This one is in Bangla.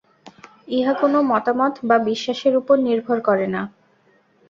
ইহা কোন মতামত বা বিশ্বাসের উপর নির্ভর করে না।